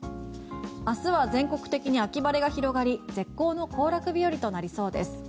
明日は全国的に秋晴れが広がり絶好の行楽日和となりそうです。